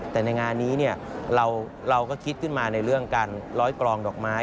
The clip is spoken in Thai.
แต่ในงานนี้เราก็คิดขึ้นมาในเรื่องการร้อยกรองดอกไม้